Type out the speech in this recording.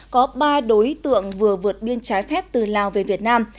có ba đối tượng vừa vượt biên trái phép từ lào về việt nam